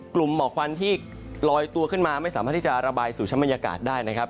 หมอกควันที่ลอยตัวขึ้นมาไม่สามารถที่จะระบายสู่ชั้นบรรยากาศได้นะครับ